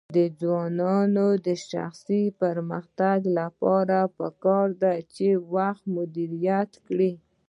د ځوانانو د شخصي پرمختګ لپاره پکار ده چې وخت مدیریت کړي.